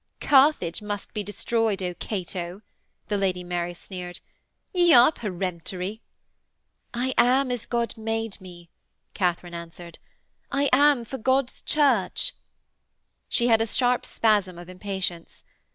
'Carthage must be destroyed, O Cato,' the Lady Mary sneered. 'Ye are peremptory.' 'I am as God made me,' Katharine answered. 'I am for God's Church....' She had a sharp spasm of impatience.